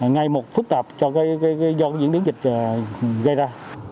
ngay một phức tạp cho diễn biến dịch gây ra